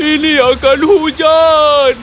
ini akan hujan